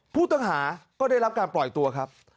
ผู้ต้องหาก็ได้รับการปล่อยตัวครับ